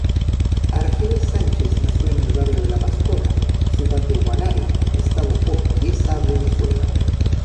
Argenis Sánchez nació en el Barrio La Pastora, ciudad de Guanare, Estado Portuguesa, Venezuela.